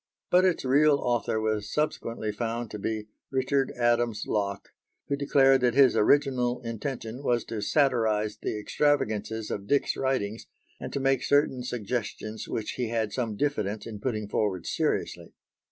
But its real author was subsequently found to be Richard Adams Locke, who declared that his original intention was to satirise the extravagances of Dick's writings, and to make certain suggestions which he had some diffidence in putting forward seriously.